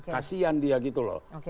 kasian dia gitu loh